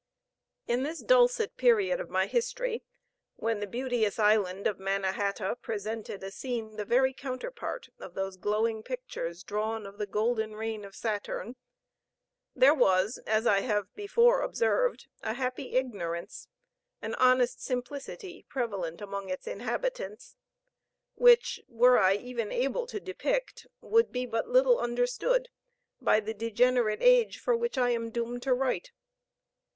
In this dulcet period of my history, when the beauteous island of Manna hata presented a scene the very counterpart of those glowing pictures drawn of the golden reign of Saturn, there was, as I have before observed, a happy ignorance, an honest simplicity prevalent among its inhabitants, which, were I even able to depict, would be but little understood by the degenerate age for which I am doomed to write.